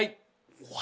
うわ